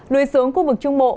lùi xuống khu vực trung bộ